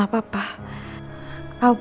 kalo papa udah sampe rumah